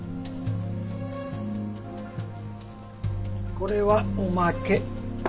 これはおまけ。